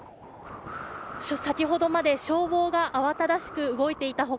先ほどまで消防が慌ただしく動いていた他